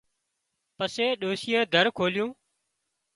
پسي ڏوشيئي در کولُيون